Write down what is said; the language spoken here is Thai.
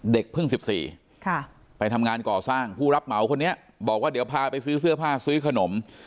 เด็กเพิ่ง๑๔ไปทำงานก่อสร้างผู้รับเหมาคนนี้บอกว่าเดี๋ยวพาไปซื้อเสื้อผ้าซื้อขนม